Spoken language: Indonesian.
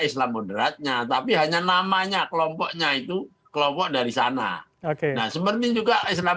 islam moderatnya tapi hanya namanya kelompoknya itu kelompok dari sana oke nah seperti juga islam